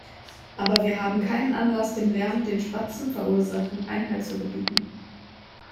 Aber wir haben keinen Anlass, dem Lärm, den Spatzen verursachen, Einhalt zu gebieten.